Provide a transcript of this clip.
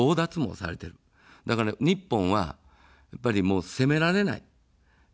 だから日本は、やっぱり攻められない。